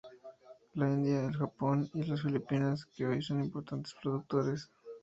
La India, el Japón y las Filipinas, que hoy son importantes productores.